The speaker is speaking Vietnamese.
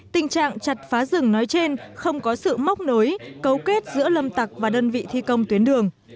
tình trạng chặt phá rừng nói trên không có sự móc nối cấu kết giữa lâm tặc và đơn vị thi công tuyến đường